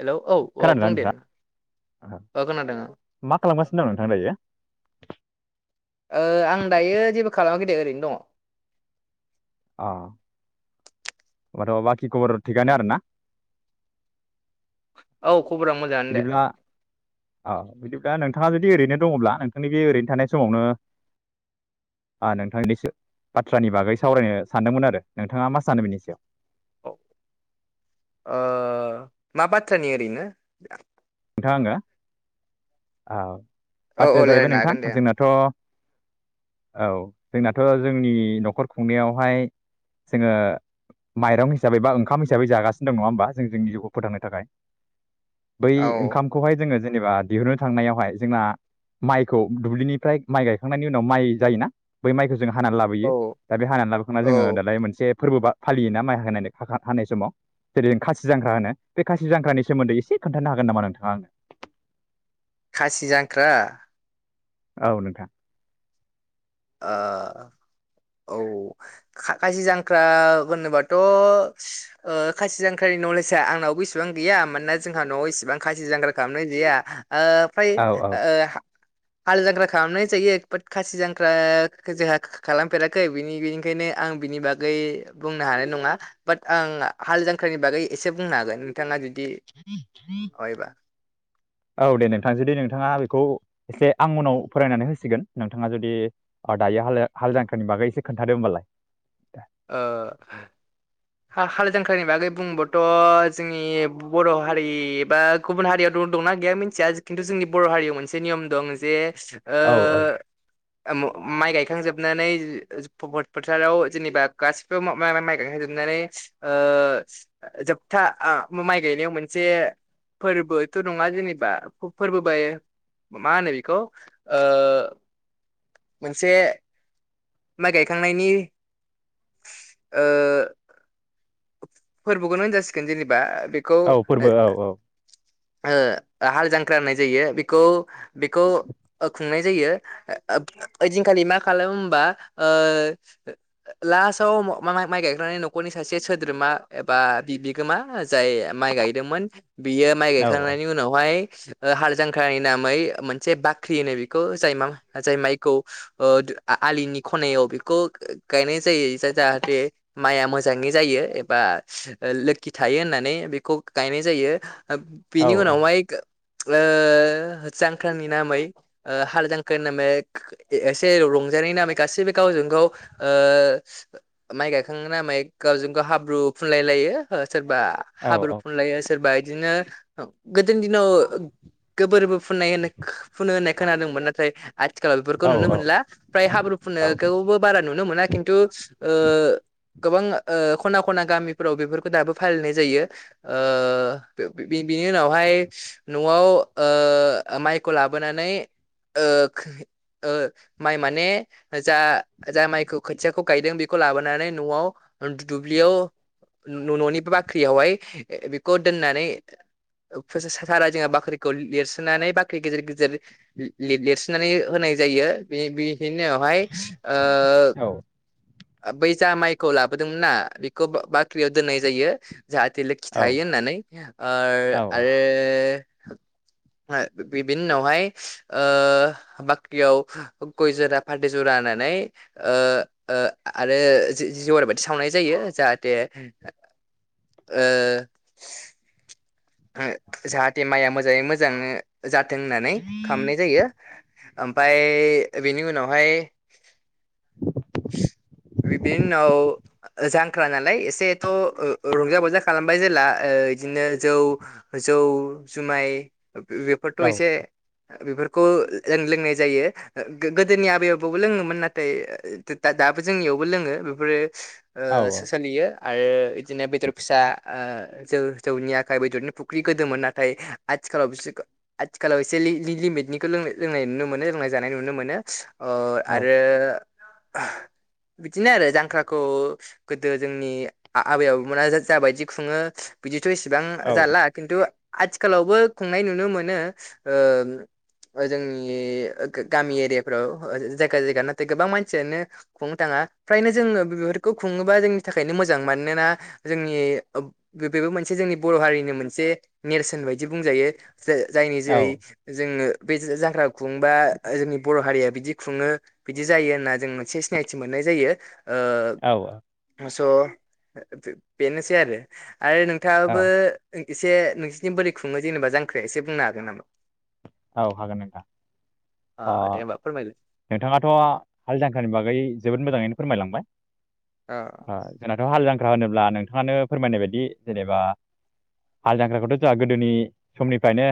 Hello औ औ खोनादोंना बुंदे नोंथाङा? ओ खोनादों ओ मा खालामगासिनो दं नोंथां दायो ओ आं दायो जेबो खालामाखैदे ओरैनो दङ अ होमबाथ' बाखि खबर दङ उम थिगानो आरोना औ खबर मोजाङा नो दे औ बिदिब्ला नोंथाङा जुदि ओरैनो दङब्ला नोंथांनि बे ओरैनो थानाय समावनो नोंथांनिसो बाथ्रानि बागै सावरायनो सानदोंमोन आरो नोंथाङा मा सानो बिनि सायाव ओ मा बाथ्रानि ओरैनो नोंथां आङो औ औ औ बाथ्राया जाहैबाय रायलायनो नोंथां हागोन दे जोंनाथ' औ जोंनाथ' जोंनि न'खर खुंनायावहाय जोङो माइरं हिसाबै बा ओंखाम हिसाबै जागासिनो दं नङा होमबा जों जोंनि जिउखौ फोथांनो थाखाय बै औ ओंखामखौहाय जोङो जेनेबा दिहुननो थांनायावहाय जोंना माइखौ दुब्लिनिफ्राय माइ गायखांनायनि उनाव माइ जायोना बै माइखौ जों हानानै औ लाबोयो दा बे हानानै लाबोखांना औ जोङो दालाय मोनसे फोरबो बा फालियोना माइ हाय हानाय समाव जेरै खासि जांख्रा होनो बे खासि जांख्रानि सोमोन्दै एसे खोन्थानो हागोन नामा नोंथाङा आंनो खासि जांख्रा औ नोंथां। ओ औ खासि जांख्रा होनोबाथ'ओ खासि जांख्रा बे नलेजआ आंनावबो इसेबां गैया मानोना जोंहा न'आव इसिबां खासि जांख्रा खालामनाय जाया। ओ फ्राय औ औ हाल जांग्रा खालामनाय जायो खासि जांख्रा ओ जोंहा खालामफेराखै बिनि बेनिखायनो आं बिनि बागै बुंनो हानाय नङा। बाट आं हाल जांख्रानि बागै एसे बुंना हागोन नोंथाङा जुदि माबायोबा औ दे नोंथां जुदि नोंथाङा बेखौ एसे आं उनाव फरायनानै होसिगोन नोंथाङा जुदि दायो हाल हाल जांख्रानि बागै इसे खोन्थादो होनबालाय ओ हा-हाल जांख्रानि बागै बुङोबाथ' जोंनि बर' हारि एबा गुबुन हारिआ दंना गैया मिथिया खिन्थु जोंनि बर' हारियाव मोनसे नियम दं जे औ औ ओ माइ गायखांजोबनानै फथ फोथाराव जेनेबा गासिबो मा-मा माइ माइ गायखांजोबनानै जोबथा आ माइ गायनायाव मोनसे बे फोरबोथ' नङा जेनेबा फोरबो बायो मा होनो बेखौ मोनसे माइ गायखांनायनि फोरबोखौनो होनजासिगोन जेनेबा बेखौ औ फोरबो औ औ हाल जांख्रा होननाय जायो बेखौ बेखौ खुंनाय जायो। ओइदिनखालि मा खालामो होमबा लास्टआव मा- माइ गायखांनानै नख खर'नि सासे सोद्रोमा एबा बि बिगोमा जाय माइ गायदोंमोन बियो माइ औ गायखांनायनि उनावहाय हाल जांख्रानि नामै मोनसे बाख्रि होनो बेखौ जाय मां जाय माइखौ ओ आ-आलिनि ख'नायाव बेखौ गायनाय जायो जा जाहाथे माइआ मोजाङै जायो एबा लोखि थायो होननानै बेखौ गायनाय जायो औ बेनि उनावहाय ओह जांख्रानि नामै हाल जांख्रानि नामै एसे रंजानायनि नामै गासैबो गाव गावजों गाव माइ गायखां नामै गावजोंगाव हाब्रु फुनलायलायो सोरबा औ हाब्रु फुनलायो सोरबा बिदिनो गोदोनि दिनाव गोबोरबो फुननाय होनो फुनो होननाय खोनादों। नाथाय आथिखालाव बेफोरखौ औ नुनो मोनला औ फ्राय हाब्रु फुनायखौबो बारा नुनो मोनाखै। खिन्थु गोबां खना खना गामिफोराव बेफोरखौ दाबो फालिनाय जायो बे- बे-बि-बिनि उनावहाय न'वा याव माइखौ लाबोनानै माइ माने जा जा माइखौ खोथियाखौ गायदों बेखौ लाबोनानै न'आव दुब्लियाव न-न'नि बाख्रियावहाय बेखौ दोननानै जोंहा बाख्रिखौ लिरसोनानै बाख्रि गेजेर गेजेर लि-लिरसोनानै होनाय नाय जायो बे बे बिनि उनावहाय औ औ बै जा माइखौ लाबोदोंमोन ना खौ बाख्रियाव दोननाय जायो। जाहाथे लोखि औ थायो होननानै आर औ आरो बि-बिनि उनावहाय बाख्रियाव गय जरा फाथै जरा होनानै आरो जेवारि बाथि सावनाय जायो। जाहाथे ओ जाहाथे माइआ मोजाङै मोजां जाथों होननानै खामनाय जायो। ओमफाय बेनि उनावहाय बिनि उनाव जांख्रा नालाय एसेथ' रंजा बाजा खालामबाय जेला बिदिनो जौ जौ जुमाय औ बेफोरथ' एसे बेफोरखौ लोंनाय जायो गो-गोदोनि आबै आबौबो लोङोमोन नाथाय दा-दा दाबो जोंनियावबो लोङो बेफोरो औ ओ सो-सोलियो आरो बिदिनो बेदर फिसा ओ जौ जौनि आखाइ बेदरनि फुख्रि गोदोमोन नाथाय आथिखालाव बिसोरखौ आथिखालाव एसे लि-लि-लिमिटनिखौ लोंना-लोंनाय नुनो मोनो नाय जानाय नुनो मोनो औ आरो [inaudible] बिदिनो आरो जांख्राखौ गोदो जोंनि आ-आबै आबौमोना जाबायदि खुङो बिदि थ' इसेबां जाला खिन्थु आथिखालावबो खुंनाय नुनो मोनो ओ जोंनि गा-गामि एरियाफ्राव जायगा जायगा नाथाय गोबां मानसियानो खुंनो थाङा फ्रायनो जोङो बेफोरखौ खुङोबा जोंनि थाखायनो मोजां । मानोना जोंनि [unintelligible] मोनसे जोंनि बर' हारिनि मोनसे नेरसोन बायदि बुंजायो । जा-जायनि औ जेरै जोङो बे जांख्राखौ खुंबा जोंनि बर' हारिया बिदि खुङो बिदि जायो होनना जों मोनसे सिनायथि मोननाय जायो । औ औ स' बे-बेनोसै आरो । आरो नोंथाङाबो एसे नोंसोरनि बोरै खुङो जेनेबा जांख्राया एसे बुंनो हागोन नामा? औ हागोन नोंथां अ । ओ दे होमबा फोरमायलाय नोंथाङाथ' हाल जांख्रानि बागै जोबोद मोजाङैनो फोरमायलांबाय । अ ओ जोंनाथ' हाल जांख्रा होनोब्ला नोंथाङानो फोरमायनाय बायदि जेनेबा हाल जांख्राखौथ' जोंहा गोदोनि समनिफ्रायनो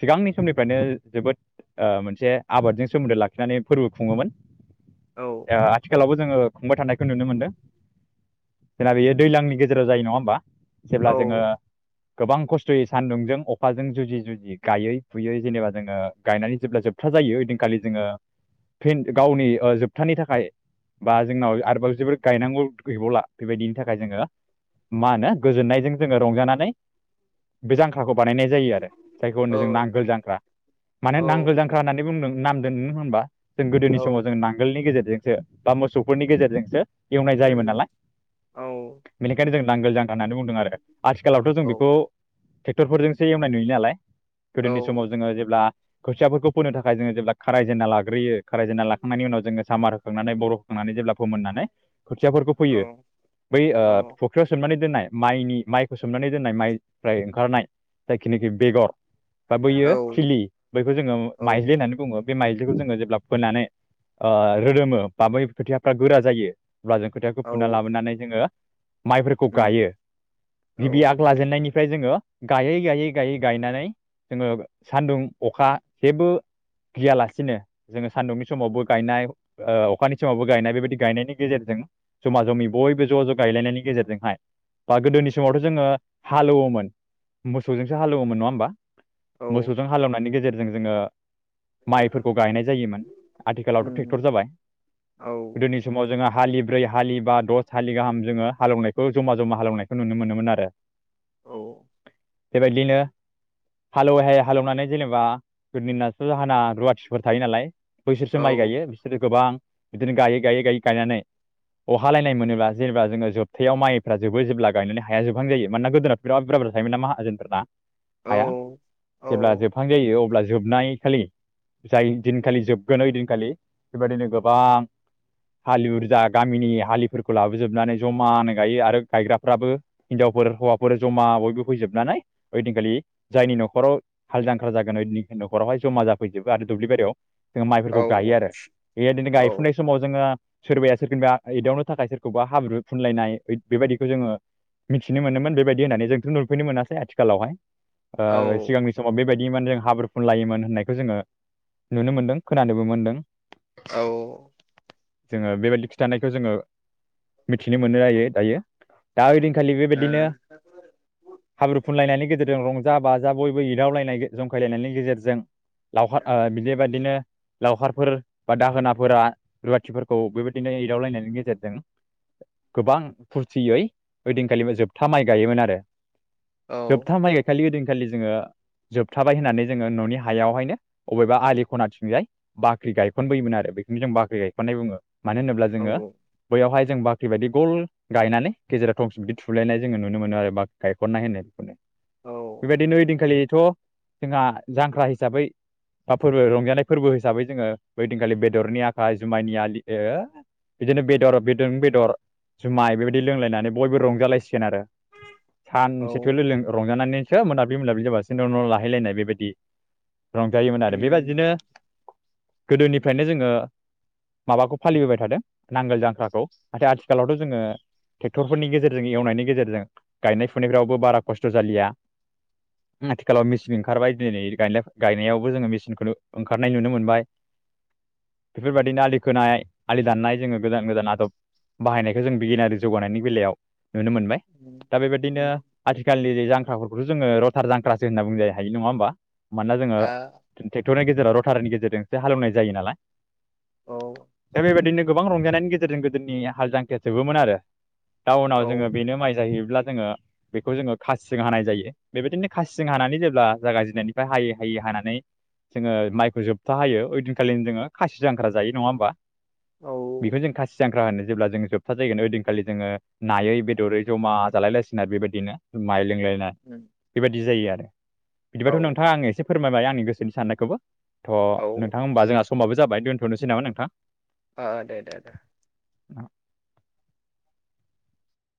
सिगांनि समनिफ्रायनो जोबोद ओ मोनसे आबादजों सोमोन्दो लाखिनानै फोरबो खुङोमोन औ । ओ आथिखालाबो जोङो खुंबाय थानायखौ नुनो मोनदों । जोंना बेयो दैलांनि गेजेराव जायो नङा होमबा? औ जेब्ला जोङो गोबां खस्थ'यै सान्दुंजों, अखाजों जुजि जुजि गायै फुयै जेनेबा जोङो गायनानै जेब्ला जोबथा जायो ओइदिनखालि जोङो फिन गावनि ओ जोबथानि थाखाय बा जोंनाव आरोबाव जोबोर गायनांगौ गैबावला बेबायदिनि थाखाय जोङो मा होनो गोजोननायजों जोङो रंजानानै बे जांख्राखौ बानायनाय जायो आरो । जायखौ होनो जों औ नांगोल जांख्रा माने नांगोल औ जांख्रा होननानै नाम दोन होनबा जों गोदोनि समाव औ जों नांगोलनि गेजेरजोंसो बा मोसौफोरनि गेजेरजोंसो एवनाय जायोमोन उम नालाय औ । बेनिखायनो जों नांगोल जांख्रा होननानै बुंदों आरो । आथिखालावथ' जों औ बेखौ ट्रेक्टरफोरजोंसो एवनाय नुयो नालाय औ गोदोनि समाव जोङो जेब्ला खोथियाफोरखौ फोनो थाखाय जोङो जेब्ला खारायजेनना लाग्रोयो खारायजेनना लाखांनायनि उनाव जोङो सामार होखांनानै बर' होखांनानै जेब्ला फोमोननानै खोथियाफोरखौ फैयो बै ओ फुख्रियाव सोननानै दोननाय माइनि माइखौ सोमनानै दोननाय माइनिफ्राय ओंखारनाय जायखिनाखि बेगर बा बैयो औ खिलि बैखौ जोङो औ माइज्लि होननानै बुङो । बे माइज्लिखौ जोङो जेब्ला फोनानै ओ रोदोमो बा बै खोथियाफ्रा गोरा जायो अब्ला जों खोथायाखौ फुना लाबोनानै जोङो माइफोरखौ उम गायो । गिबि औ आग लाजेननायनि ओमफ्राय जोङो गायै गायै गायै गायनानै जोङो सान्दुं अखा जेबो गियालासिनो जोङो सान्दुंनि समावबो गायनाय ओ अखानि समावबो गायनाय बेबायदि गायनायनि गेजेरजों । जमा जमि बयबो ज' ज' गायलायनायनि गेजेरजोंहाय बा गोदोनि समावथ' जोङो हालेवोमोन मोसौजोंसो हालेवोमोन नङा होमबा? औ मोसौजों हालेवनायनि गेजेरजों जोङो माइफोरखौ गायनाय जायोमोन । आथिखालावथ' ट्रेक्टर उम जाबाय औ । गोदोनि समाव जोंहा हालि ब्रै, हालि बा, दस हालि गाहाम जोङो हालेवनायखौ जमा-जमा हालेवनायखौ नुनो मोनोमोन आरो । औ बेबायदिनो हालेवैहाय हालेवनानै जेनेबा [unintelligible] जाहाना रुवाथिफोर थायो नालाय औ बोसोरसो माइ गायो बिसोरो गोबां बिदिनो गायै गायै गायै गायनानै अहालायनाय मोनोब्ला जेनेबा जोङो जोबथायाव माइफ्रा जोबो जेब्ला गायनानै हाया जोबहां जायो मानोना गोदोना बिराद बुर थायोमोनना माहाजोनफोरना औ हाया । जेब्ला जोबहां जायो अब्ला जोबनाय खालि जाय दिनखालि जोबगोन ओइ दिनखालि बेबायदिनो गोबां हालुवाजा गामिनि हालिफोरखौ लाबोजोबनानै जमानो गायो आरो गायग्राफ्राबो हिनजाव फोर हौवाफोर जमा बयबो फैजोबनानै ओइदिनखालि जायनि न' हराव हालजांख्रा जागोन होयदिनखालि नखरावहाय जमा जाफैजोबो आरो दुब्लिबारियाव जोङो माइफोरखौ गायो आरो बेबायदिनो गायफुनाय औ समाव जोङो सोरबाया सोरखौबा एदावनो थाखाय सोरखौबा हाब्रु फुनलायनाय बेबायदिखौ जोङो मिथिनो मोनोमोन बेबायदि होननानै जोंथ' नुफैनो मोनासै आथिखालावहाय ओ औ सिगांनि समाव बेबायदि माने जों हाब्रु फुनलायोमोन होननायखौ जोङो नुनो मोनदों खोनानोबो मोनदों औ जोङो बेबायदि खिन्थानायखौ जोङो मिथिनो मोनो जायो दायो दा ओदि आथि खालि औ बेबायदिनो हाब्रु फुनलायनायनि गेजेरजों रंजा बा जा बयबो इदावलायनाय जंखायलायनायनि गेजेरजों लावखार बेबायदिनो लावखार फोर बा दाहोनाफोरा रुवाथिफोरखौ बेबायदिनो एदावलायनायनि गेजेरजों गोबां फुरथियै ओइदिनखालि जोबथा माइ गायोमोन आरो। औ जोबथा माइ गायखालि ओइदिनखालि जोङो जोबथाबाय होननानै जोङो न'नि हायावहायनो बबेबा आलि खनाथिंजाय बाख्रि गायखनबोयोमोन आरो बेखौनो जों बाख्रि गायख'नाय बुङो मानो होनोब्ला जोङो बैयावहाय जों बाख्रि बायदि गल गायनानै गेजेराव थफि बिदि थुलायनाय जोङो नुनो मोनो आरो बाख्रि गायखनाय होननाय बेखौनो औ थ' जोंहा जांख्रा हिसाबै बा फोरबो रंजानाय फोरबो हिसाबै जोङो बैदिनखालि बेदरनि आखाइ जुमाइनि आलि बिदिनो बेदर-बेदों-बेदर जुमाय बेबायदि लोंलायनानै बयबो रंजालायसिगोन आरो सानसे औ थोलो लों रंजानानैसो मोनाबिलि-मोनाबिलि जाबासो न'-न' लाहैलायनाय बेबायदि रंजायोमोन आरो उम बेबायदिनो गोदोनिफ्रायनो जोङो माबाखौ फालिबोबाय थादों नांगोल जांख्राखौ नाथाय आथिखालावथ' जोङो ट्रेक्टरफोरनि गेजेरजों एवनायनि गेजेरजों गायनाय फुनायफ्रावबो बारा खस्थ' जालिया आथिखालाव मेचिन ओंखारबाय दिनै गायनायावबो जोङो मेचिनखौनो ओंखारनाय नुनो मोनबाय बेफोरबायदिनो आलि खोनाय आलि दाननाय जोङो गोदान-गोदान आदब बाहायनायखौ जों बिगियारि जौगानायनि बेलायाव नुनो मोनबाय उम ।दा बेबायदिनो उम आथिखालनि जे जांख्राफोर बेथ' जोङो रथार जांख्रासो होनना बुंजायो हायो नङा होमबा मानोना जोङो आ ट्रेक्टर नि गेजेराव रथारनि गेजेरजोंसो हालेवनाय जायो नालाय औ दा बेबायदिनो गोबां रंजानायनि गेजेरजों गोदोनि हाल जांख्राया जोबोमोन आरो औ दाउनाव जोङो बेनो माइ जाहैब्ला जोङो बेखौ जोङो हानाय जायो। बेबायदिनो खासिं हानानै जेब्ला जागाय जेननायनिफ्राय हायै-हायै हानानै जोङो मायखौ जोबथा हायो हैदिनखालिनो जोङो खासि जांख्रा जायो नंङा होमबा औ बेखौजों खासि जां ख्रा होनो जेब्ला जों जोबथा जायगोन ओइदिनखालि जोङो नायै-बेदरै जमा जालायलायसिगोन आरो बेबायदिनो जुमाइ लोंलाय बेबायदि जायो आरो। बिदिबाथ' नोंथाङा आङो एसे फोरमायबाय आंनि गोसोनि साननायखौबो। थ' नोंथां औ होमबा जोंहा समाबो जाबाय दोन्थ'नोसै नामा नोंथां! आ दे दे दे [inaudible]